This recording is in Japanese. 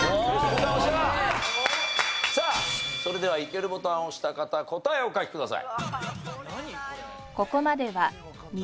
それではイケるボタンを押した方答えをお書きください。